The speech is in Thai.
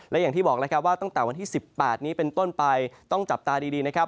และอย่างที่บอกแล้วครับว่าตั้งแต่วันที่๑๘นี้เป็นต้นไปต้องจับตาดีนะครับ